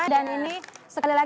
dan ini sekali lagi